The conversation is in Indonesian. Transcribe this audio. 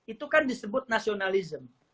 itu kan disebut nasionalisme